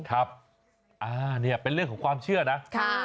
ครับนี่เป็นเรื่องของความเชื่อนะ